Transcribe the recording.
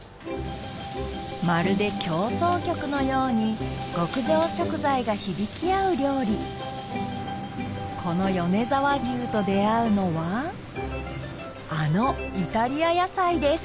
まるで協奏曲のように極上食材が響き合う料理この米沢牛と出合うのはあのイタリア野菜です